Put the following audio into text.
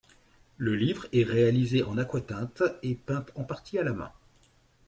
Le livre est réalisé en aquatinte et peint en partie à la main.